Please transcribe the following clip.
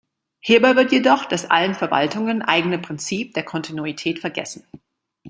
Hierbei wird jedoch das allen Verwaltungen eigene Prinzip der Kontinuität vergessen.